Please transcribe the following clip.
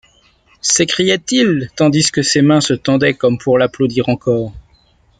s’écriait-il, tandis que ses mains se tendaient comme pour l’applaudir encore.